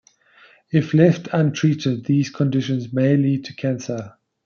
If left untreated, these conditions may lead to cancer.